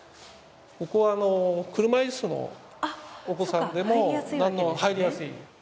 ここは車椅子のお子さんでも入りやすい。